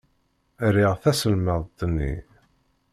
Riɣ taselmadt-nni.